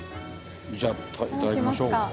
じゃ頂きましょう。